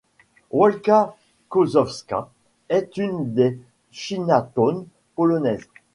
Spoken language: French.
Wólka Kosowska est une des Chinatowns polonaises.